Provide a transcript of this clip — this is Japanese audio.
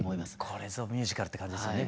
これぞミュージカルって感じですよね。